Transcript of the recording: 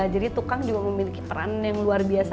jadi tukang juga memiliki peran yang luar biasa